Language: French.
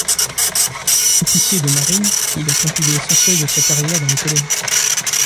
Officier de marine, il accomplit l'essentiel de sa carrière dans les colonies.